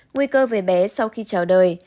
nguy cơ về bé sau khi trào đời